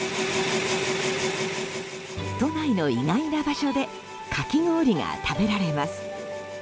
都内の意外な場所でかき氷が食べられます。